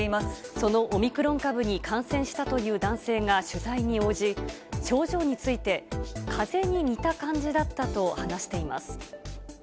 そのオミクロン株に感染したという男性が取材に応じ、症状について、かぜに似た感じだったと話しています。